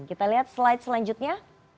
kita lihat slide selanjutnya